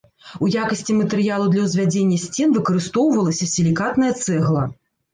У якасці матэрыялу для ўзвядзення сцен выкарыстоўвалася сілікатная цэгла.